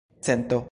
cento